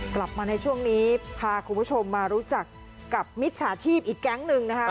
กลับมาในช่วงนี้พาคุณผู้ชมมารู้จักกับมิจฉาชีพอีกแก๊งหนึ่งนะคะ